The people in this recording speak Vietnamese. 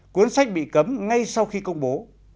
cuốn sách bị cấm ngay sau khi công bố